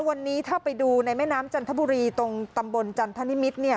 วันนี้ถ้าไปดูในแม่น้ำจันทบุรีตรงตำบลจันทนิมิตรเนี่ย